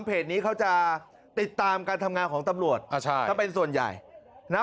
เพจนี้เขาจะติดตามการทำงานของตำรวจอ่าใช่ถ้าเป็นส่วนใหญ่นะ